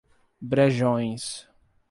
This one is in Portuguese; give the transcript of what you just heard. Brejões